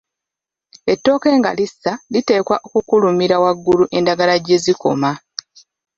Ettooke nga lissa liteekwa kukulumira waggulu endagala gye zikoma.